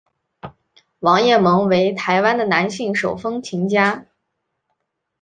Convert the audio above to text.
王雁盟为台湾的男性手风琴家。